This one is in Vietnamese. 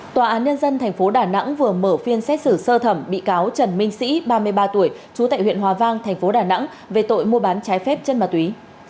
tòa án nhân dân tp đà nẵng vừa mở phiên xét xử sơ thẩm bị cáo trần minh sĩ ba mươi ba tuổi trú tại huyện hòa vang tp đà nẵng về tội mua bán trái phép chất ma túy